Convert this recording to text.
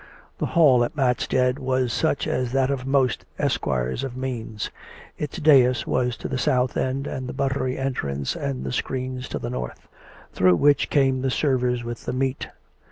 The hall at Matstead was such as that of most esquires of means. Its dais was to the south end, and the buttery entrance and the screens to the north, through which came the servers with the meat.